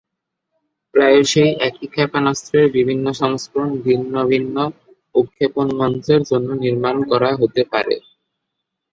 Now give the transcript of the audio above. প্রায়শই একই ক্ষেপণাস্ত্রের বিভিন্ন সংস্করণ ভিন্ন ভিন্ন উৎক্ষেপণ মঞ্চের জন্য নির্মাণ করা হতে পারে।